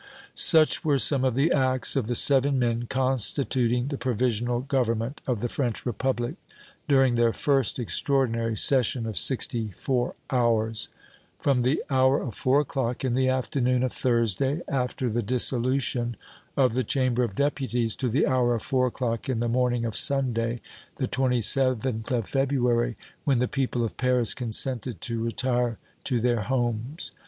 Such were some of the acts of the seven men constituting the Provisional Government of the French Republic, during their first extraordinary session of sixty four hours from the hour of four o'clock in the afternoon of Thursday after the dissolution of the Chamber of Deputies to the hour of four o'clock in the morning of Sunday, the 27th of February, when the people of Paris consented to retire to their homes.